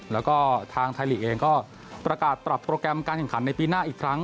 แล้วก็ทางไทยลีกเองก็ประกาศปรับโปรแกรมการแข่งขันในปีหน้าอีกครั้ง